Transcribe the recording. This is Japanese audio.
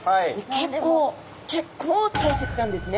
結構結構大食漢ですね。